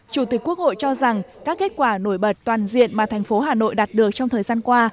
chủ tịch quốc hội cho rằng các kết quả nổi bật toàn diện mà thành phố hà nội đạt được trong thời gian qua